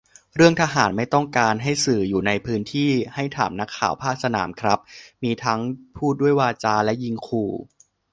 เรื่องทหารไม่ต้องการให้สื่ออยู่ในพื้นที่ ให้ถามนักข่าวภาคสนามครับ มีทั้งพูดด้วยวาจา และยิงขู่